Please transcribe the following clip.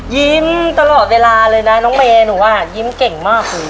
ยิ้มตลอดเวลาเลยนะน้องเมย์หนูอ่ะยิ้มเก่งมากเลย